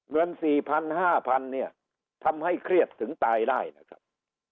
เหมือน๔๐๐๐๕๐๐๐ทำให้เครียดถึงตายได้นะครับ